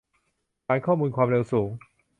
ฐานข้อมูลความเร็วสูง